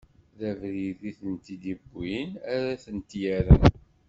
D abrid i tent-id-iwwin ara tent-irren.